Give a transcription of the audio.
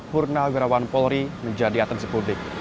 purna agrawan polri menjadi atensi publik